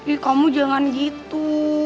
ih kamu jangan gitu